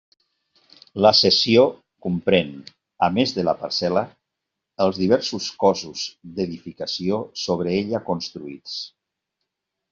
La cessió comprén, a més de la parcel·la, els diversos cossos d'edificació sobre ella construïts.